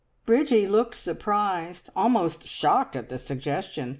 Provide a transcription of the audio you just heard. Bridgie looked surprised, almost shocked at the suggestion.